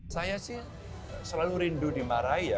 saya sih selalu rindu dimarahi ya